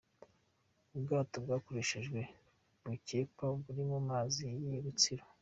Ubwato bwakoreshejwe bukekwa ko buri mu mazi y’i Rutsiro.